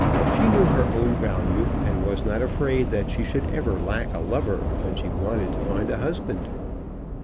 She knew her own value, and was not afraid that she should ever lack a lover when she wanted to find a husband.